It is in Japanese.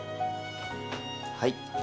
はい。